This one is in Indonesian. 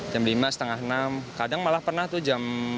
jam lima setengah enam kadang malah pernah tuh jam